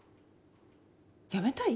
辞めたい？